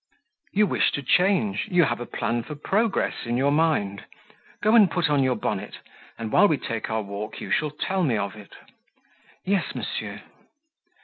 "You wish to change you have a plan for progress in your mind; go and put on your bonnet; and, while we take our walk, you shall tell me of it." "Yes, monsieur."